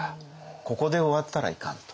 ここで終わったらいかん！と。